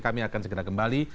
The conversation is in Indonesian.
kami akan segera kembali